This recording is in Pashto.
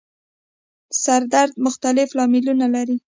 سر درد مختلف لاملونه لري